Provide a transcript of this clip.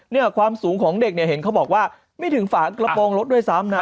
เนี่ยความสูงของเด็กเนี่ยเห็นเขาบอกว่าไม่ถึงฝากระโปรงรถด้วยซ้ำนะ